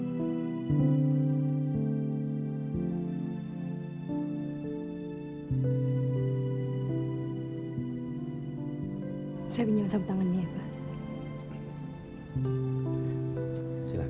kamu suka kan pak